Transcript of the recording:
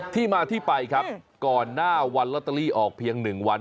ที่มาที่ไปครับก่อนหน้าวันลอตเตอรี่ออกเพียง๑วัน